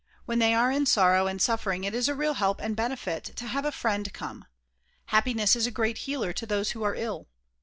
When they are in sorrow and suffering it is a real help and benefit to have a friend come. Happiness is a great healer to those who are ill.